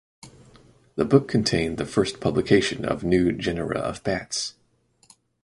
The book contained the first publication of new genera of bats.